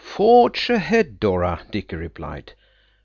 "Forge ahead, Dora," Dicky replied.